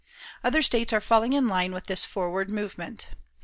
Other states are falling in line with this forward movement.